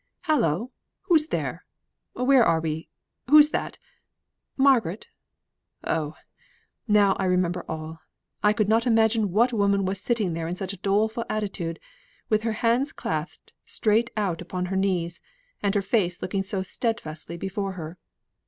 "Hallo! Who's there! Where are we? Who's that, Margaret? Oh, now I remember all. I could not imagine what woman was sitting there in such a doleful attitude, with her hands clasped straight out upon her knees, and her face looking so steadfastly before her.